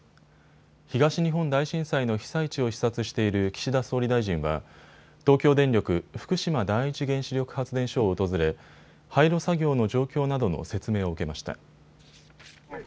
東日本大震災の被災地を視察している岸田総理大臣は東京電力福島第一原子力発電所を訪れ廃炉作業の状況などの説明を受けました。